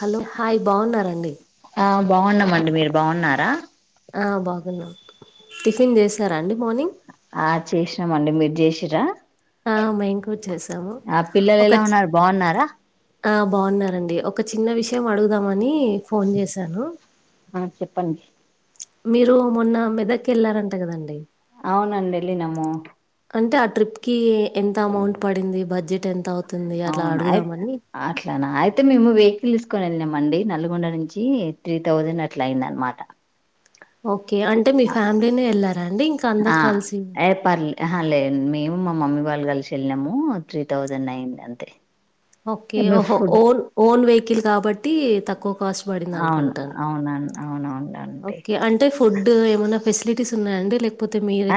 Hello hi బాన్నారండి బాగన్నామండి మీరు బాన్నారా ఆ బాగున్నాం టిఫిన్ చేసారా అండి మార్నింగ్ ఆ చేసినామండి మీరు చేసి ర్రా ఆ మేము కూడా చేసాము ఆ పిల్లలు ఒక ఎలా చి ఉన్నారు బాన్నారా ఆ బాన్నారండి ఒక చిన్న విషయం అడుగుదామని ఫోన్ చేశాను ఆ చెప్పండి మీరు మొన్న మెదకెళ్ళారంట కదండి అవునండి ఎలినము అంటే ఆ ట్రిప్కి ఎంత అమౌంట్ పడింది బడ్జెట్ ఎంత అవు అవునా అయి అట్లానా అయితే మేము వె పిలుసుకొనెళ్ళినాంమండి నల్గొండ నుంచి త్రీ థౌజండ్ అట్లా అయింది అనమాట ఓ కే అంటే మీ ఫ్యామిలీనే వెళ్ళారండి, ఇంకా ఆ అందరు కలిసి ఏ పర్లే ఆహా లేదు మేము మా మమ్మీ వాళ్ళు కలిసి వెళ్ళినాము త్రీ థౌసేండ్ అయింది అంతే. మీ ఓకేఓహో ఫుడ్ ఓన్ ఓన్ వెహికిల్ కాబట్టి తక్కువ కాస్ట్ పడింది అవును అనుకుంటాను అవున అవునవునండి ఓకే అంటే ఫుడ్ ఏమన్నా ఫెసిలిటీస్ ఉన్నాయా అండి లేక్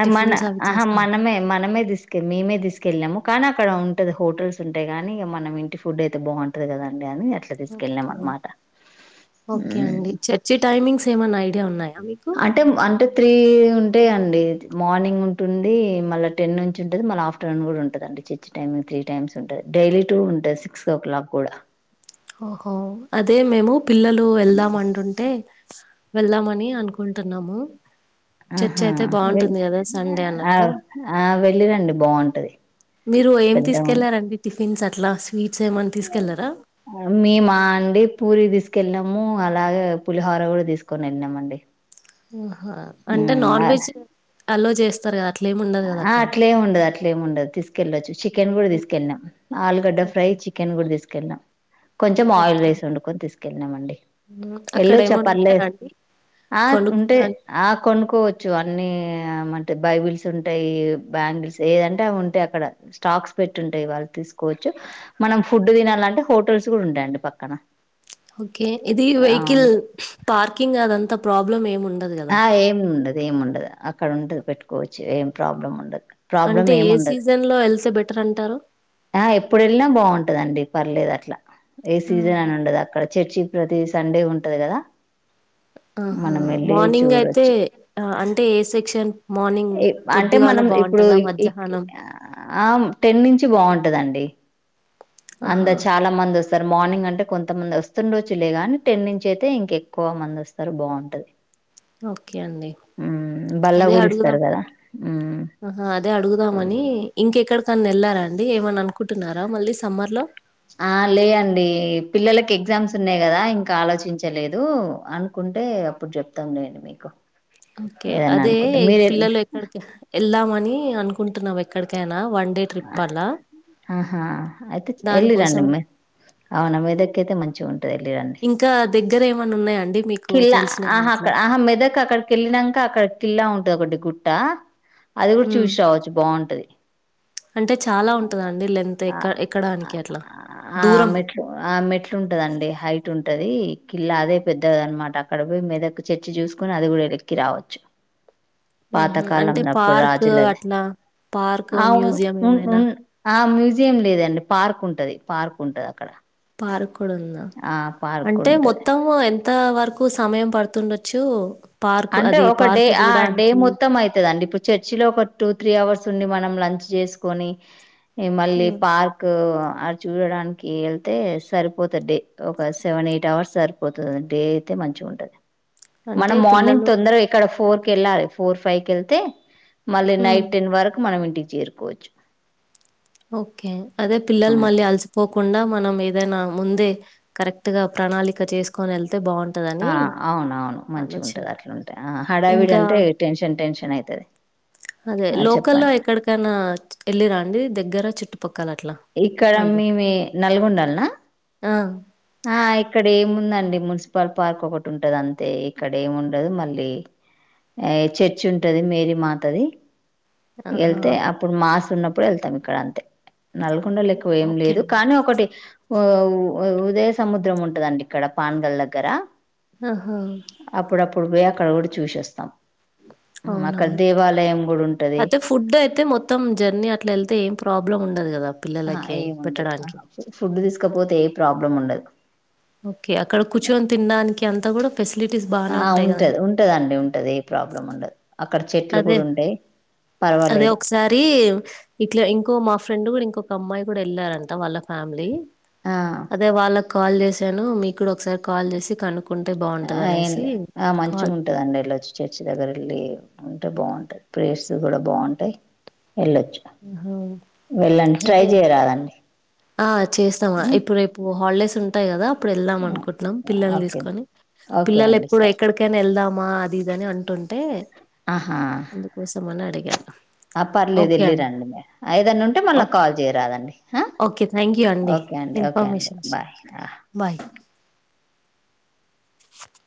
అ మన ఆహ మనమే మనమే తీసుకెళ్ళి మేమే తీసుకెళ్ళాము. కానీ అక్కడ ఉంటది హోటల్స్ ఉంటాయి కాని, మనము ఇంటిఫుడ్ అయితే బాంటది కదండి అని. అట్లా తీసుకెళ్ళాం ఓకే అనమాట ఓకే అండి చర్చి టైమింగ్స్ ఏమా నైట్ టే ఉన్నాయి. అంటే అంటే త్రీ ఉంటే అం డేట్ మార్నింగ్ ఉంటుంది మళ్ళ టెన్ నుంచి ఉంటది మళ్ళ ఆఫ్టర్నూన్ కూడా ఉంటదండి చర్చ్ టైమింగ్ త్రీ టైమ్స్ ఉంటది డైలీ టూ ఉంటది సిక్స్ ఓ క్లాక్ కూడా ఓహో అదే మేము. పిల్లలు వెళ్దామంటుంటే. వెళ్దామని అనుకుంటన్నాము. ఆహా వె అన్నట్టు. ఆగు ఆ వెళ్ళిరండి బాగుంటది పెద్దగా ఉ క్లాసిక్ స్వీట్స్ ఏమన్నా తీసుకెళ్లరా. మేమా అండి పూరి తీసుకెళ్ళినము అలాగే పులిహోర కూడా తీసుకోనివెళ్ళినాము అండి. హా అంటే నాన్ వెజ్ అలో చే స్తరగా ఆ అట్లే ఏం ఉండదు అట్లే ఏం ఉండదు తీసుకెళ్ళొచ్చు చికెన్ కూడా తీసుకెళ్ళాం ఆలుగడ్డ ఫ్రై చికెన్ కూడా తీసు కెళ్ళ కొంచం ఆయిల్ ఓకే. రైస్ వండుకోని తీసు తిన్నాము అండీ హ్మ్. అక్కడ ఎల్లో ఏమన్నా చెప్పాలలే ఉంటాయా అండి? ఆ ఉంటే కొనుక్కోడానికి ఆ కొనుకోవచ్చు అన్నీ అంటే బైబిల్స్ ఉంటాయి. బ్యాంగిల్స్ ఏదంటే అవి ఉంటాయి. అక్కడ స్టాక్స్ పెట్టింటాయి. వాళ్ళు తీసుకోవచ్చు మనం ఫుడ్ తినాలంటే హోటల్స్ కూడా ఉంటాయండి. పక్కన ఓకే ఇది అవును వెహికల్ పార్కింగ్ అదంతా ప్రాబ్ ప్రాబ్లం ఏం ఉం ఆ ఏం ఉండదు. ఇది ఏం ఉండదు. అక్కడ ఉంటాది పెట్టుకోవచ్చు ఏం ప్రాబ్లం ఉండదు. ప్రాబ్లం అంటే ఏ ఏముండదు సీజన్‌లో ఎళ్తే బెటర్ అంటారు? ఆ ఎప్పుడు వెళ్ళినా బాగుంటదండి. పర్లేదు అట్లా. ఏ ఆ! సీజన్ని ఉండది అక్కడ చర్చి ప్రతి సండే ఉంటది కదా ఆహా మనం వెళ్ళి మార్నింగ్ ఇంగ్ అయితే చూడొచ్చు అంటే ఏ సెక్షన్ మార్నింగ్ అంటే పొద్దుగాల మనం ఇప్పుడు బావుంటదా? మధ్యాహ్నం ఆ టెన్ నుంచి బాగుంటదండి అంత ఆహా! చాలా మంది వస్తు మార్నింగ్ అంటే కొంతమంది వస్తుండొచ్చులేగాని టెన్ నుంచి అయితే ఇంకెక్కువ మంది వస్తారు బాగుంటది ఓకే అండి బల్ల అదే కూడా అడుగుదాం ఇస్తారు కదా ఆహా అదే అడుగుదాం అని ఇంకెక్కడ కాన్ని వెళ్లాండి ఏమని అనుకుంటన్నారా మళ్ళీ సమ్మర్ లో ఆ లే అండి పిల్లలకి ఎగ్జామ్స్ ఉన్నాయి కదా ఇంకా ఆలోచించలేదు అనుకుంటే అప్పుడు చెప్తాంలేండి మీకు ఓకే ఏదన్నా అదే అనుకుంటే మీరు పిల్లలు ఎక్కడికి ఎల్లా మ అని అనుకుంటున్నావు ఎక్కడికైనా వన్ డే ట్రిప్ అలా. ఆహా అయితే ఎలిరా దానికోసం నిమ్ అవునమ్దక అయితే మంచి చూండి ఇంకా దగ్ దగ్గర ఏమన్నా ఉన్నాయా అండి ఖిల్లా ఆహా అక్క ఆహ మెదక్ అక్కడ అక్కడిక వెళ్ళినాక అక్కడ ఖిల్లా ఉంటది ఒకటి గుట్ట అది కూడా హ్మ్. చూసి రావచ్చు బాగుంటది అంటే చాలా ఉంటందండి లెంత్ ఆ ఎక్క ఎక్కడానికి అట్లా ఆ దూరం మెట్లు ఆ మెట్లు ఉంటదండి హైట్ ఉంటది కిల్లా అదే పెద్ద దన్నమాట అక్కడ పోయి మెదకు చర్చి చూసుకుని అది కూడా ఎలక్కి రావచ్చు హుహు. అంటే పాతకాలంన్నప్పుడు పార్క్ రాజులది అట్లా పార్క్, అవును మ్యూజియం ఉన్ ఏమైనా? ఉన్ ఆ మీ మ్యూజియం లేదండి పార్క్ ఉంటంది పార్క్ ఉంటంది అక్కడ పార్ కుడుంద ఆ పార్క్ అంటే ఉంటది మొత్తం ఎ అంత వరకు సమయం పడుతుండొచ్చు పార్క్ అంటే అది ఒక డే పార్క్ ఆ డే చూడడానికి? మొత్తం అయితదండి ఇప్పుడు చర్చిలో ఒక టూ త్రీ అవర్స్ ఉండి మనం లంచ్ చేసుకొని ఈ మళ్ళీ హ్మ్. పార్క్ ఆడ చూడడానికి వెళ్తే సరిపోతది డే ఒక సెవెన్ ఎయిట్ అవర్స్ సరిపోతుంది డే అయితే మంచిగా ఉంటది. అంటే మనం మార్నింగ్ పిల్లలు తొందరగా ఇక్కడ ఫోర్ కెళ్ళాలి ఫోర్ ఫైవ్ కెళ్తే మళ్ళీ హ్మ్. నైట్ టెన్ వరకు మనం ఇన్ చేర్కోవచ్చు ఓకే అదే పిల్లలు మళ్ళీ అలసిపోకుండా మనం ఏదైనా ముందే కరెక్ట్ గా ప్రణాళిక చేసుకొని వెళ్ తే ఆ! బాగుంటందని అని అవునవును మంచిగా ఆలోచన ఉంటది అట్లుంటే హడావిడి ఇంకా అంటే టెన్షన్ టెన్షన్ అయితది అదే ఆ లోకల్లో చెప్పండి ఎక్కడికైనా వెళ్ళిరా అండి. ద్గర చట్టుపక్క ఇక్కడ మేమి నల్గొండలనా ఆ ఆ ఇక్కడ ఏముందండి మున్సిపల్ పార్క్ ఒకటి ఉంటది అంతే ఇక్కడ ఏం ఉండదు మళ్ళీ చర్చ్ ఉంటది మేరీ మాతది. ఆహా! ఎళ్తే అప్పుడు మాస్ ఉన్నప్పుడు ఎళ్తాం ఇక్కడ అంతే నల్గొండలో ఎక్కువ ఏం ఓకే లేదు అండి. కానీ ఒకటి ఓ ఓ ఉదే సముద్రం ఉంటదండి ఇక్కడ పాన్గల్ దగ్గర ఆహా అప్పుడప్పుడు పోయి అక్కడ కూడా చూసివస్తాం అవునా! అక్కడ దేవాలయం కూడా ఉంటు అయితే ఫుడ్ అయితే మొత్తం జర్నీ అట్లా వెళ్తే ఏం ప్రాబ్లం ఉండదు ద ఆ ఏ ఉండదు ఆ ఫుడ్ తీసుకపోతే ఏ ప్రాబ్లం ఉండదు ఓకే అక్కడ కూర్చుని తినడానికి అంత అంత కూడా ఆ ఉంటది ఉంటదండి ఉంటది ఏ ప్రాబ్లం ఉండదు అక్కడ చెట్లు అదే కూడా ఉంటాయి అదే పర్వాలేదు ఒకసారి ఇట్లా ఇంకో మా ఫ్రెండ్ కూడా ఇంకొ ఒక అమ్మాయి కూడా వెళ్ళారంట వాళ్ళకి ఫ్యామిలీ ఆ అదే వాళ్ళకు కాల్ చేసాను మీకు కూడా ఒకసారి కాల్ చేసి కను ఆ ఏం లే ఆ మంచిగా ఉంటదండి వెళ్లొచ్చు చర్చి దగ్గర వెళ్లి ఉంటే బాగుంటాయి ప్రేస్లు కూడా బాగుంటాయి వెళ్ళొచ్చు వెళ్ళండి ట్రై అదే చేయరాదండి ఆ చేస్తామా ఇప్పుడు రేపు హాలిడేస్ ఉంటాయి కదా అప్పుడు వెళ్దాం అనుకుంటున్నాం పిల్లల్ని ఓకే తీసుకొని ఓకే పిల్లలు అండి ఎప్పుడు సరే ఎక్కడికైనా వెళ్దామా అది ఇదని అంటుంటే ఆహా అందుకోసం అని అడిగాడు ఓకే వెళ్లి అండి రండి మీరు ఏదన్నా ఉంటే మళ్ళ ఓకే కాల్ చేయరాదండి ఓకే థ్యాంక్ యూ అండి ఓకే ఓకే అండి ఇన్ఫర్మేషన్స్ బాయ్ కి ఆ! బాయ్ [inaudible]